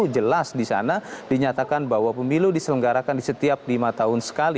jelas di sana dinyatakan bahwa pemilu diselenggarakan di setiap lima tahun sekali